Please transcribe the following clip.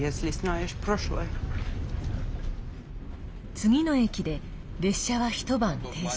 次の駅で列車は一晩、停車。